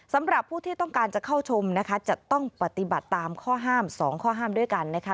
สำหรับผู้ที่ต้องการจะเข้าชมนะคะจะต้องปฏิบัติตามข้อห้าม๒ข้อห้ามด้วยกันนะคะ